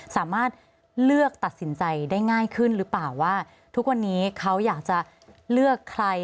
สามารถเลือกตัดสินใจได้ง่ายขึ้นหรือเปล่าว่าทุกวันนี้เขาอยากจะเลือกใคร